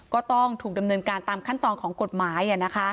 ก็ต้องถูกดำเนินการตามขั้นตอนของกฎหมาย